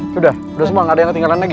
sudah udah semua gak ada yang ketinggalan lagi